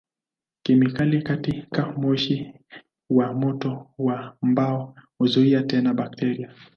Kemikali katika moshi wa moto wa mbao huzuia tena bakteria.